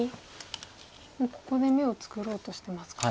もうここで眼を作ろうとしてますか。